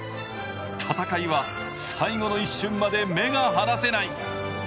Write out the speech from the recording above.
戦いは最後の一瞬まで目が離せない。